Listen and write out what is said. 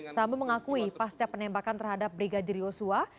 sambo mengakui pasca penembakan terhadap brigadir yosua